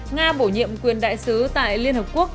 nga bổ nhiệm quyền đại sứ tại liên hợp quốc